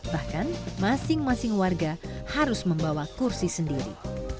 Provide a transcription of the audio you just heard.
bahkan masing masing warga harus membawa kursi sendiri